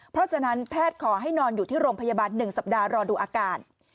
เพราะฉะนั้นแพทย์ขอให้นอนอยู่ที่โรงพยาบาล๑สัปดาห์รอดูอาการ